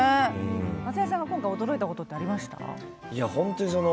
松也さんが今回驚いたことはありましたか。